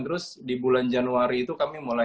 terus di bulan januari itu kami mulai